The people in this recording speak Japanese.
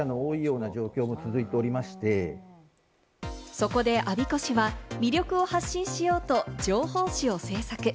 そこで我孫子市は魅力を発信しようと情報誌を制作。